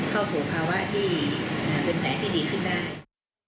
เข้าสู่ภาวะที่เป็นแผลที่ดีขึ้นได้